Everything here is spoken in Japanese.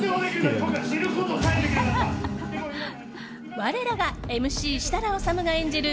我らがＭＣ設楽統が演じる